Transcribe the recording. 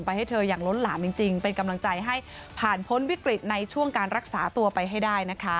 เป็นกำลังใจให้ผ่านพ้นวิกฤตในช่วงการรักษาตัวไปให้ได้นะคะ